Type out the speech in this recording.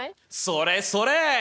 それそれ！